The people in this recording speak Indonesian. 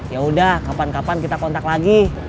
yaudah kapan kapan kita kontak lagi